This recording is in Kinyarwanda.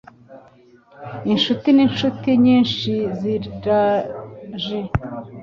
Inshuti nincuti nyinshi zaraje